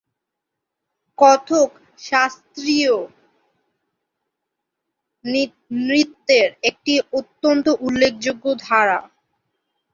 কথক শাস্ত্রীয় নৃত্যের একটি অত্যন্ত উল্লেখযোগ্য ধারা।